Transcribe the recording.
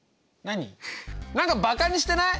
何かバカにしてない？